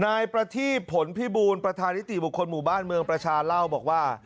นายประทีบผลพิบูลประธานิติบุคคลหมู่บ้านเมืองประชาเล่าบอกว่า